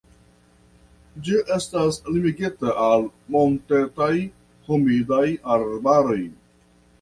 Ĝi estas limigita al montetaj humidaj arbaroj.